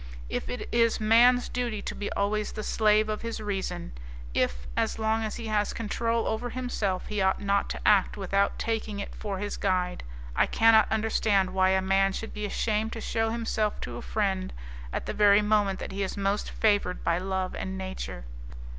If it is man's duty to be always the slave of his reason; if, as long as he has control over himself, he ought not to act without taking it for his guide, I cannot understand why a man should be ashamed to shew himself to a friend at the very moment that he is most favoured by love and nature.